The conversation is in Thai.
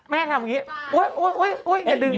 แม่งั่งแบบงี้โอ้ยอย่าดึง